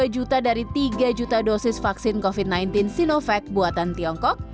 dua puluh dua juta dari tiga juta dosis vaksin covid sembilan belas sinovac buatan tiongkok